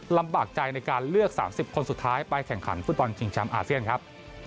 ลำบากใจในการเลือก๓๐คนสุดท้ายไปแข่งขันฟุตบอลชิงแชมป์อาเซียนครับ